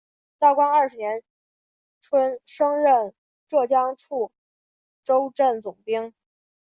道光二十年春升任浙江处州镇总兵。